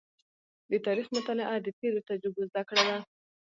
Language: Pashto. د تاریخ مطالعه د تېرو تجربو زده کړه ده.